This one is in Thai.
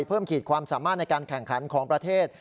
ขีดความสามารถในการแข่งขันของประเทศ